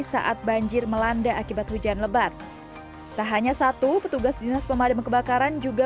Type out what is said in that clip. saat banjir melanda akibat hujan lebat tak hanya satu petugas dinas pemadam kebakaran juga